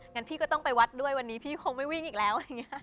งั้นพี่ก็ต้องไปวัดด้วยวันนี้พี่คงไม่วิ่งอีกแล้ว